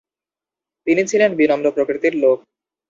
তিনি ছিলেন বিনম্র প্রকৃতির লোক।